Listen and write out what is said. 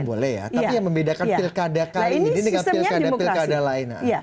boleh ya tapi yang membedakan pilkada kali ini dengan pilkada pilkada lainnya